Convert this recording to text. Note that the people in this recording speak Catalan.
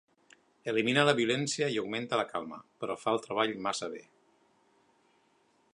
Elimina la violència i augmenta la calma, però fa el treball massa bé.